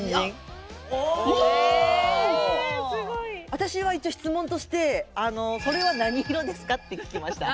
私は一応質問として「それは何色ですか？」って聞きました。